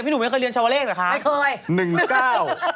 พี่หนูไมค่อยเรียนชาวเลขเหรอค่ะไม่เคย